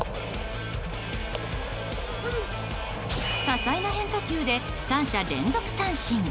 多彩な変化球で３者連続三振。